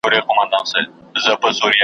د سهارنسیم راوړی له خوږې مېني پیغام دی .